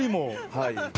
はい。